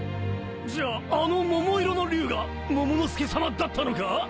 じゃああの桃色の龍がモモの助さまだったのか！？